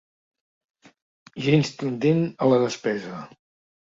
Gens tendent a la despesa.